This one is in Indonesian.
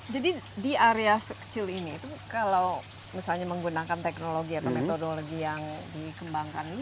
jadi di area sekecil ini itu kalau misalnya menggunakan teknologi atau metodologi yang dikembangkan ini